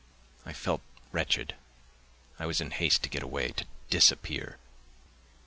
I felt wretched; I was in haste to get away—to disappear.